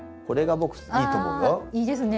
いいですね。